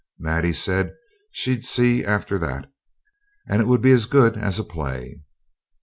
Maddie said she'd see after that, and it would be as good as a play.